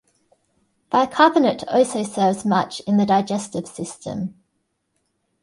Bicarbonate also serves much in the digestive system.